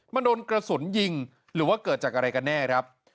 มันโดนกระสุนยิงหรือว่าเกิดจากอะไรกันแน่ครับ